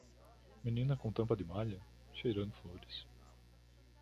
Menina com tampa de malha? cheirando flores.